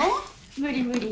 無理無理。